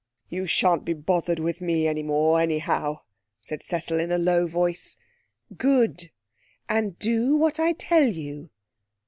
'You shan't be bothered with me any more, anyhow,' said Cecil in a low voice. 'Good. And do what I tell you.'